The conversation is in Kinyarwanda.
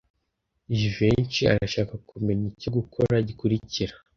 Jivency arashaka kumenya icyo gukora gikurikira.